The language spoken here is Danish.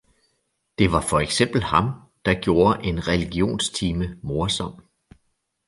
Det var for eksempel ham, der gjorde en religionstime morsom,.